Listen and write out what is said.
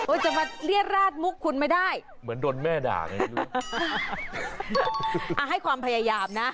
จะมาเรียดราดมุกคุณไม่ได้เหมือนโดนแม่ด่าไงลูกอ่ะให้ความพยายามนะ